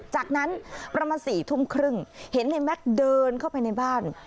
จากนั้นประมาณ๔ทุ่มครึ่งเห็นในแม็กซ์เดินเข้าไปในบ้าน